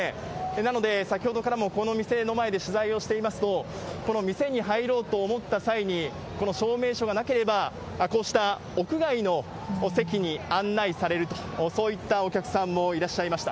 なので、先ほどからもこの店の前で取材をしていますと、この店に入ろうと思った際に、この証明書がなければ、こうした屋外の席に案内されると、そういったお客さんもいらっしゃいました。